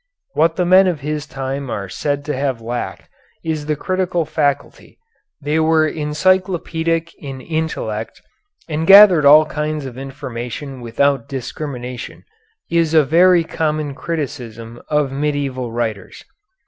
What the men of his time are said to have lacked is the critical faculty. They were encyclopedic in intellect and gathered all kinds of information without discrimination, is a very common criticism of medieval writers.